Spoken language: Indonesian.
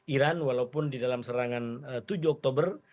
iran walaupun di dalam serangan tujuh oktober